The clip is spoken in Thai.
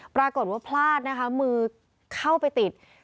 ปรากฏว่าพลาดนะคะมือเข้าไปติด